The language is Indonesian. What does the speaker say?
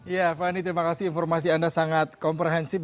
ya fani terima kasih informasi anda sangat komprehensif